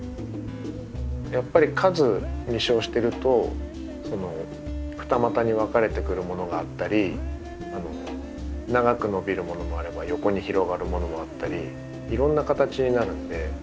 やっぱり数実生してると二股に分かれてくるものがあったり長く伸びるものもあれば横に広がるものもあったりいろんな形になるんで。